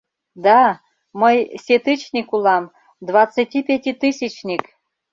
Да, мый сетычник улам — двадцатипятитысячник!